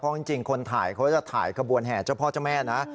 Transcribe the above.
จริงคนถ่ายเขาจะถ่ายขบวนแห่เจ้าพ่อเจ้าแม่นะ